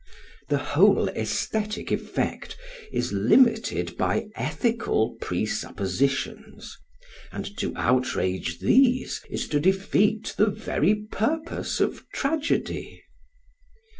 The whole aesthetic effect is limited by ethical presuppositions; and to outrage these is to defeat the very purpose of tragedy.